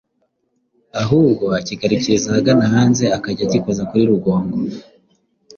ahubwo akigarukiriza ahagana hanze akajya agikoza kuri rugongo